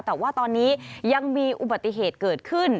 แต่ว่าตอนนี้ยังมีอุบัติเหตุเกิดขึ้น